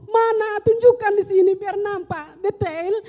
mana tunjukkan disini biar tampak detail